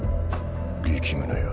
力むなよ。